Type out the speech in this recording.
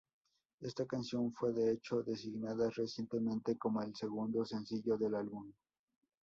Esta canción fue de hecho designada recientemente como el segundo sencillo del álbum.